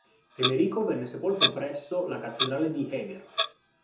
Emerico venne sepolto presso la cattedrale di Eger.